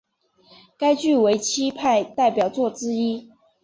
该剧为戚派代表作之一。